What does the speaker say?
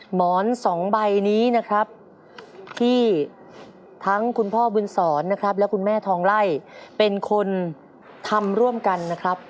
หมอนสองใบนี้นะครับที่ทั้งคุณพ่อบุญศรนะครับและคุณแม่ทองไล่เป็นคนทำร่วมกันนะครับ